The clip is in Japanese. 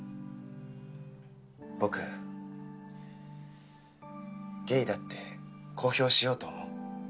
僕ゲイだって公表しようと思う。